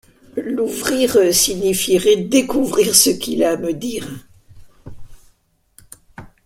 L’ouvrir signifierait découvrir ce qu’il a à me dire.